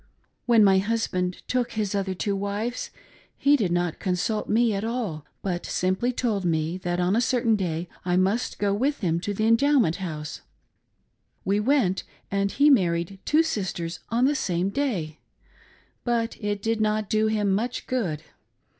When n^ husband took his other two wives, he did not consult me at 25 404 "laboring" with refractory wives. all, but simply told me that on a certain day I must go with him to the Endowment House. We went, and he married two sisters on the same day, but it did not do him much good.